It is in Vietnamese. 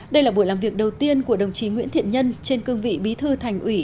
đây là buổi làm việc đầu tiên của đồng chí nguyễn thiện nhân trên cương vị bí thư thành ủy